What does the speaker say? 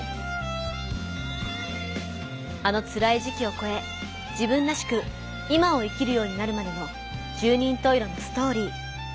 あのつらい時期をこえ自分らしく今を生きるようになるまでの十人十色のストーリー。